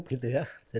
bisa terlalu dega